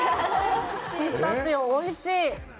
ピスタチオおいしい！